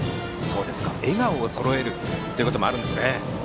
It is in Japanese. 笑顔をそろえるということもあるんですね。